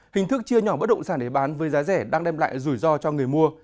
hình thức chia nhỏ bất động sản để bán với giá rẻ đang đem lại rủi ro cho người mua